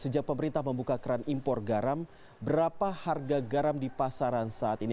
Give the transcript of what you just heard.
sejak pemerintah membuka keran impor garam berapa harga garam di pasaran saat ini